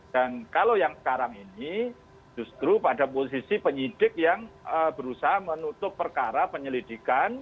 dan kalau yang sekarang ini justru pada posisi penyidik yang berusaha menutup perkara penyelidikan